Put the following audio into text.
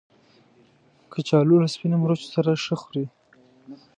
کچالو له سپینو مرچو سره ښه خوري